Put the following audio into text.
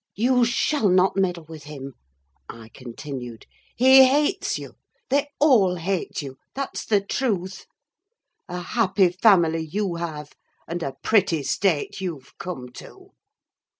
"You shall not meddle with him!" I continued. "He hates you—they all hate you—that's the truth! A happy family you have; and a pretty state you're come to!"